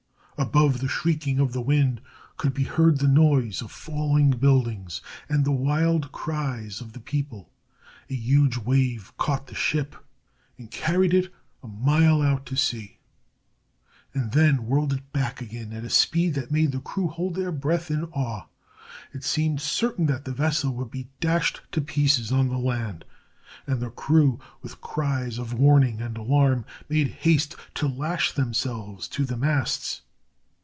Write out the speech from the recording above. Above the shrieking of the wind could be heard the noise of falling buildings and the wild cries of the people. A huge wave caught the ship and carried it a mile out to sea and then whirled it back again at a speed that made the crew hold their breath in awe. It seemed certain that the vessel would be dashed to pieces on the land, and the crew, with cries of warning and alarm, made haste to lash themselves to the masts.